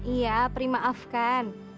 iya peri maafkan